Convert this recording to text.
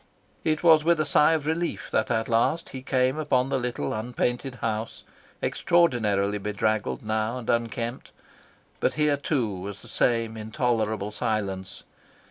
It was with a sigh of relief that at last he came upon the little unpainted house, extraordinarily bedraggled now, and unkempt; but here too was the same intolerable silence.